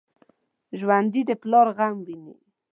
ژوندي د پلار غم ویني